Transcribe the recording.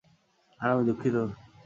আর আমি দুঃখিত।